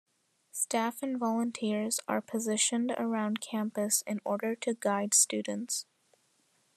Staff and volunteers are positioned around campus in order to guide students.